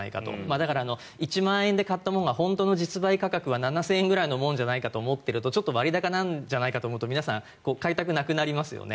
だから、１万円で買ったものが実売価格は７０００円くらいのものじゃないかと考えているとちょっと割高なんじゃないかと考えていると皆さん買いたくなくなりますよね。